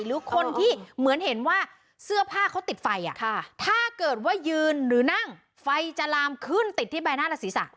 หรือคนที่เหมือนเห็นว่าเสื้อผ้าเขาติดไฟถ้าเกิดว่ายืนหรือนั่งไฟจะลามขึ้นติดที่ใบหน้าและศีรษะ